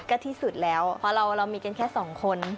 ก็ที่สุดแล้วเพราะเรามีกันแค่สองคน